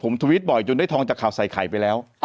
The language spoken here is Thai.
ผมทวิตบ่อยจนได้ทองจากข่าวใส่ไข่ไปแล้ว